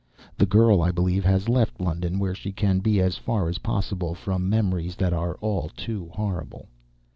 The girl, I believe, has left London, where she can be as far as possible from memories that are all too terrible.